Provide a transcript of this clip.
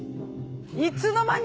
いつの間に？